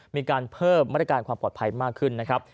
มีการเพิ่มมาตรการความปลอดภัยมากขึ้นนะครับ